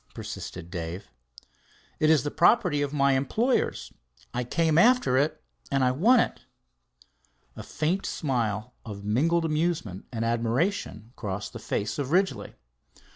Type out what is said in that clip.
persisted Dave. "It is the property of my employers. I came after it, and I want it." A faint smile of mingled amusement and admiration crossed the face of Ridgely.